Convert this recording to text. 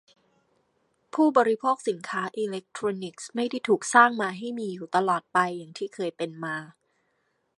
ผู้บริโภคสินค้าอิเลคโทรนิกส์ไม่ได้ถูกสร้างมาให้มีอยู่ตลอดไปอย่างที่เคยเป็นมา